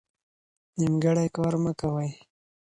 نیمګړی کار مه کوئ.